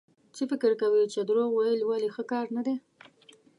څه فکر کوئ چې دروغ ويل ولې ښه کار نه دی؟